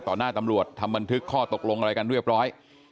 หน้าตำรวจทำบันทึกข้อตกลงอะไรกันเรียบร้อย